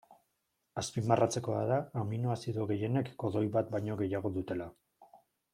Azpimarratzekoa da aminoazido gehienek kodoi bat baino gehiago dutela.